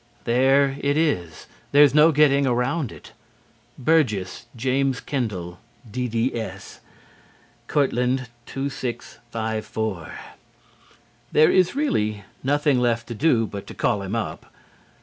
There it is. There is no getting around it: "Burgess, Jas. Kendal, DDS.... Courtland 2654". There is really nothing left to do but to call him up.